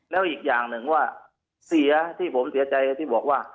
แล้วอีกอย่างหนึ่งว่าเสียที่ผมเสียใจที่บอกว่า